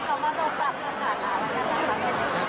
ก็เป็นหัวของเธอถ้าเค้ามาโดนปรับทางจัดอรรถการ